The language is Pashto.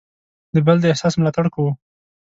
د بل د احساس ملاتړ کوو.